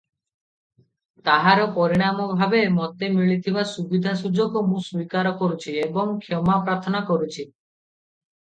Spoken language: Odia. ତାହାର ପରିଣାମ ଭାବେ ମୋତେ ମିଳିଥିବା ସୁବିଧା ସୁଯୋଗ ମୁଁ ସ୍ୱୀକାର କରୁଛି ଏବଂ କ୍ଷମା ପ୍ରାର୍ଥନା କରୁଛି ।